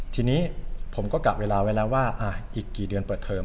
ทีนี้ผมก็กะเวลาไว้แล้วว่าอีกกี่เดือนเปิดเทอม